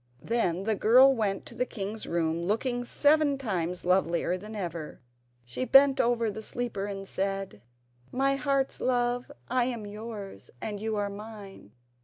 Then the girl went to the king's room looking seven times lovelier than ever. She bent over the sleeper and said: "My heart's love, I am yours and you are mine.